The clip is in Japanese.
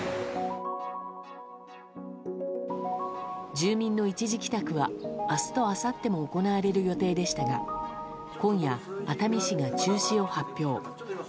住民の一時帰宅は明日とあさっても行われる予定でしたが今夜、熱海市が中止を発表。